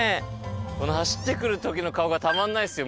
この走って来る時の顔がたまんないですよ